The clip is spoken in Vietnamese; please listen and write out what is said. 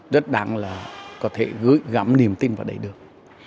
rất đáng là có thể gửi gắm niềm tin vào đầy đường